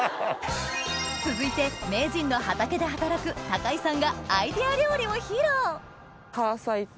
続いて名人の畑で働く高井さんがアイデア料理を披露！